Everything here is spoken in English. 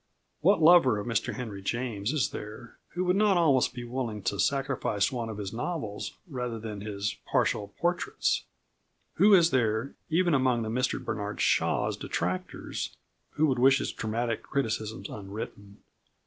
What lover of Mr Henry James is there who would not almost be willing to sacrifice one of his novels rather than his Partial Portraits? Who is there, even among Mr Bernard Shaw's detractors, who would wish his dramatic criticisms unwritten?